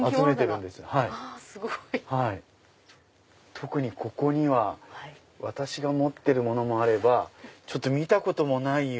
特にここには私が持ってるものもあれば見たこともないようなものもあります。